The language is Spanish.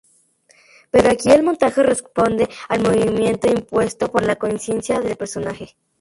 Pero aquí el montaje responde al movimiento impuesto por la conciencia del personaje.